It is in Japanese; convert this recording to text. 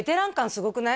すごくない？